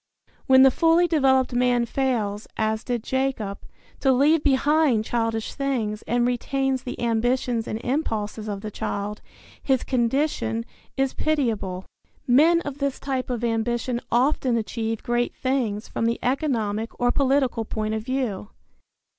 When the fully developed man fails, as did Jacob, to leave behind childish things and retains the ambitions and impulses of the child, his condition is pitiable. Men of this type of ambition often achieve great things from the economic or political point of view.